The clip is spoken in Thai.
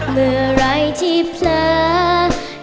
เมื่อไหร่ที่เผลอ